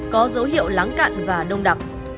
có dấu hiệu lắng cạn và đông đặc